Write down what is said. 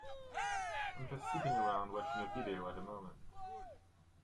I'm just sitting around watching a video at the moment.